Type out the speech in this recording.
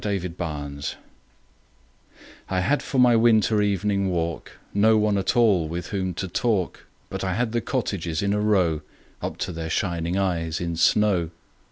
Good Hours I HAD for my winter evening walk No one at all with whom to talk, But I had the cottages in a row Up to their shining eyes in snow.